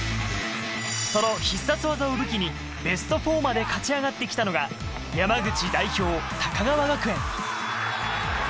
その必殺技を武器にベスト４まで勝ち上がってきたのが山口代表・高川学園。